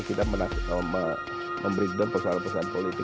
kita membreakdown persoalan persoalan politik